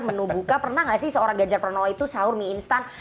menu buka pernah nggak sih seorang ganjar pranowo itu sahur mie instan